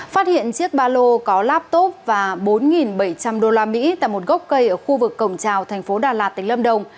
phát hiện chiếc ba lô có laptop và bốn bảy trăm linh usd tại một gốc cây ở khu vực cổng trào thành phố đà lạt tỉnh lâm đồng